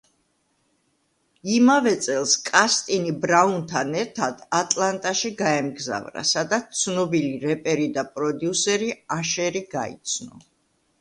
იმავე წელს ჯასტინი ბრაუნთან ერთად ატლანტაში გაემგზავრა, სადაც ცნობილი რეპერი და პროდიუსერი აშერი გაიცნო.